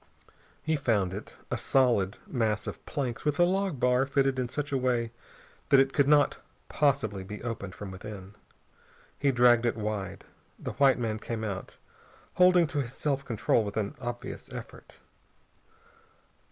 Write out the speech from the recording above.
He found it, a solid mass of planks with a log bar fitted in such a way that it could not possibly be opened from within. He dragged it wide. The white man came out, holding to his self control with an obvious effort.